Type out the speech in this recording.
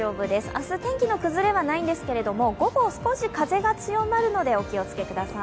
明日天気の崩れはないんですが、午後少し風が強まるのでお気をつけください。